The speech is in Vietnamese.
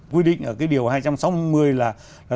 quy định ở cái điều hai trăm sáu mươi là